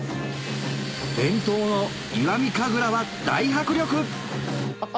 伝統の石見神楽は大迫力！